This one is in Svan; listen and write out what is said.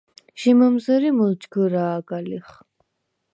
ჟი მჷმზჷრი მჷლჯგჷრა̄გა ლიხ.